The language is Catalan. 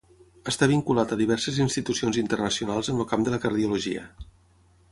Està vinculat a diverses institucions internacionals en el camp de la cardiologia.